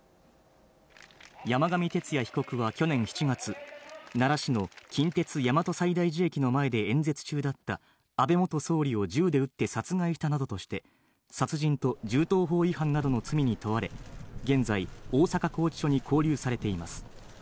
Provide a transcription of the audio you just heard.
山上徹也被告は去年７月、奈良市の近鉄大和西大寺駅の前で演説中だった安倍元総理を銃で撃って殺害したなどとして、殺人と銃刀法違反などの罪に問われ、現在、大阪拘置所に勾留されています。